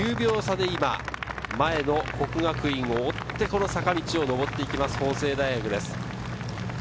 前の國學院を追って坂道を上っていきます、法政大学です。